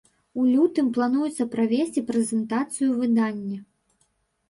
У лютым плануецца правесці прэзентацыю выдання.